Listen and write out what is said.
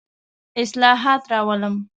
اصلاحات راولم.